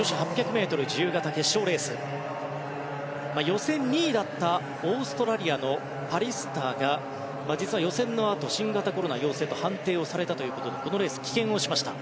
予選２位だったオーストラリアのパリスターが実は予選のあと新型コロナ陽性と判定をされたということでこのレース、棄権しました。